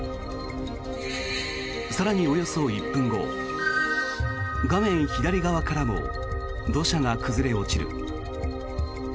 更に、およそ１分後画面左側からも土砂が崩れ落ちる。